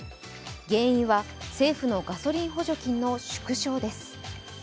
原因は政府のガソリン補助金の縮小です。